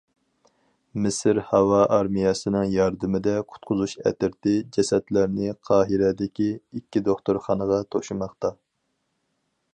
مىسىر ھاۋا ئارمىيەسىنىڭ ياردىمىدە قۇتقۇزۇش ئەترىتى جەسەتلەرنى قاھىرەدىكى ئىككى دوختۇرخانىغا توشۇماقتا.